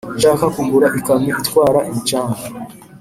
nshaka kugura ikamyo itwara imicanga